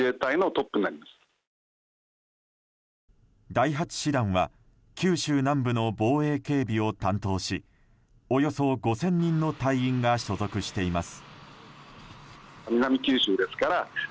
第８師団は九州南部の防衛警備を担当しおよそ５０００人の隊員が所属しています。